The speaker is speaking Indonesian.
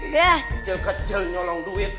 kecil kecil nyolong duit